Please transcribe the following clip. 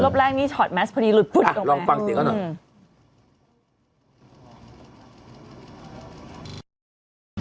รอบแรกนี่ชอตแมสพอดีหลุดปุ๊บอ่ะลองฟังเสียงก่อนหน่อยอืม